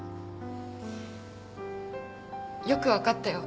よく分かったよ